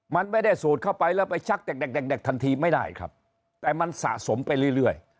มันไม่ได้สูดเข้าไปแล้วไปชักเด็กเด็กทันทีไม่ได้ครับแต่มันสะสมไปเรื่อย